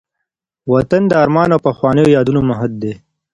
وطن د ارمان او پخوانيو یادونو مهد دی.